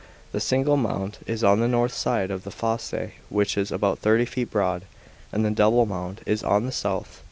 The single mound is 3 on the north side of the fosse which is I about thirty feet broad, and the double mound is on the south.